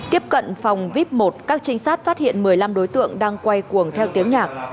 tiếp cận phòng vip một các trinh sát phát hiện một mươi năm đối tượng đang quay cuồng theo tiếng nhạc